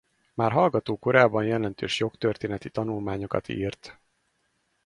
Már hallgató korában jelentős jogtörténeti tanulmányokat írt.